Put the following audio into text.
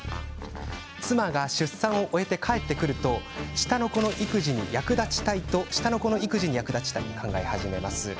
妻が出産を終えて帰ってくると下の子の育児に役立ちたいと考え始めます。